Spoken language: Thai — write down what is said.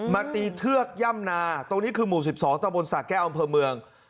มาตีเทือกย่ำนาตรงนี้คือหมู่๑๒ตะบนสะแก้วอำเภอเมือง